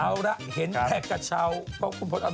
เอาระเห็นแกะกระเช้าเพราะพนขอดอันนท์